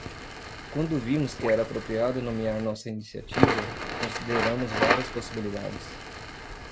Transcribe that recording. Quando vimos que era apropriado nomear nossa iniciativa, consideramos várias possibilidades.